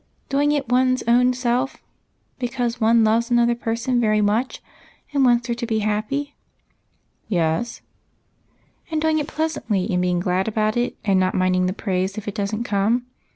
" Doing it one's own self because one loves another person very much and wants her to be happy ?" "Yes." " And doing it pleasantly, and being glad about it, and not minding the praise if it does n't come